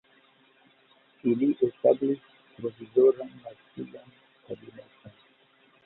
Ili establis Provizoran Nacian Kabineton.